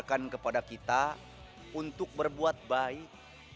dan melarang kita dari berpacaran dengan allah